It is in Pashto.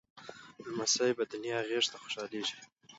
لمسی د نیا غېږ ته خوشحالېږي.